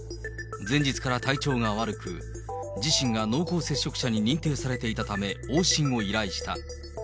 前日から体調が悪く、じしんがのうこうせっしょく者に認定されていたため、往診を依頼した。